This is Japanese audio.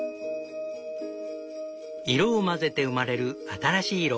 色を混ぜて生まれる新しい色。